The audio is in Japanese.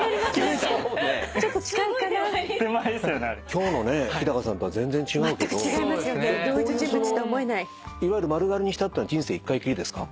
今日の日さんとは全然違うけどこういういわゆる丸刈りにしたってのは人生１回きりですか？